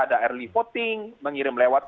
ada early voting mengirim lewat